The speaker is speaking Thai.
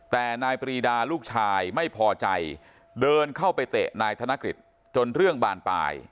แต่นายปรีดาลูกชายไม่พอใจเดินเข้าไปเตะนายธนกฤษจนเรื่องบานปลาย